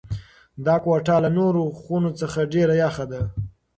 دا کوټه له نورو خونو څخه ډېره یخه ده.